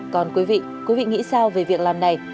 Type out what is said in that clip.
còn quý vị quý vị nghĩ sao về việc làm này